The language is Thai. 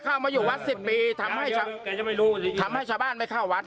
เข้ามาอยู่วัดสิบปีทำให้ทำให้ชาวบ้านไม่เข้าวัด